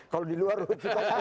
kalau di luar ruhut juga tahu